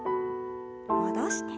戻して。